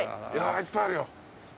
いっぱいあるよ。